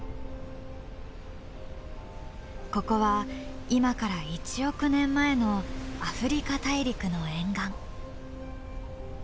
ここは今から１億年前のアフリカ大陸の沿岸。